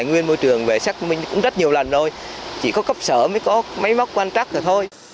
nguyên môi trường về sát cũng rất nhiều lần rồi chỉ có cấp sở mới có mấy mẫu quan trắc rồi thôi